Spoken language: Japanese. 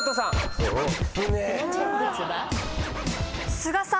菅さん。